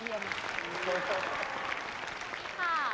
นี่ค่ะ